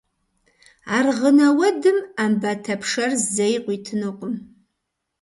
Аргъынэ уэдым Ӏэмбатэ пшэр зэи къуитынукъым.